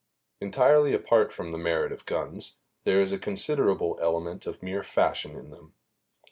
Entirely apart from the merit of guns, there is a considerable element of mere fashion in them.